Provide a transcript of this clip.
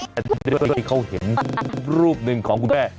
แต่ก็ได้เจอก็ได้เขาเห็นรูปหนึ่งของคุณแม่